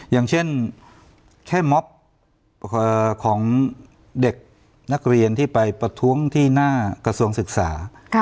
อย่างเช่นแค่ม็อบของเด็กนักเรียนที่ไปประท้วงที่หน้ากระทรวงศึกษา